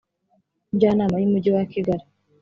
Njyanama y Umujyi wa Kigali